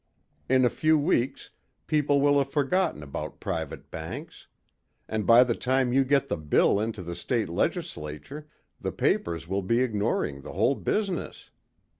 In a few weeks people will have forgotten about private banks. And by the time you get the bill into the state legislature the papers will be ignoring the whole business.